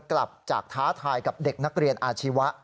กลับจากท้าทายกับเด็กนักเรียนอาชีวะ